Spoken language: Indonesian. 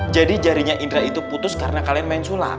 jadi jarinya indra itu putus karena kalian main sulap